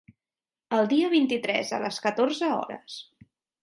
El dia vint-i-tres a les catorze hores.